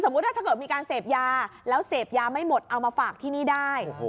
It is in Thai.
ถ้าเกิดมีการเสพยาแล้วเสพยาไม่หมดเอามาฝากที่นี่ได้